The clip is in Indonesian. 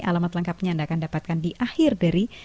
alamat lengkapnya anda akan dapatkan di akhir dari